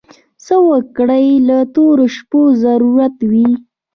څه وګړي د تورو شپو ضرورت وي.